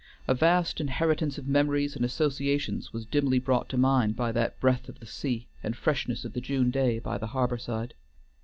A vast inheritance of memories and associations was dimly brought to mind by that breath of the sea and freshness of the June day by the harbor side.